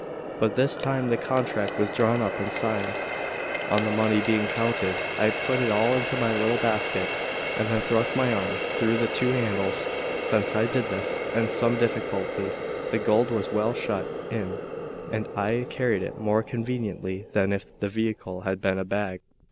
But this time the contract was drawn up and signed. On the money being counted, I put it all into my little basket, and then thrust my arm through the two handles. Since I did this with some difficulty, the gold was well shut in, and I carried it more conveniently than if the vehicle had been a bag.